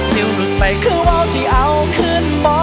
เดี๋ยวหลุดไปคือเว้าที่เอาขึ้นบ่อ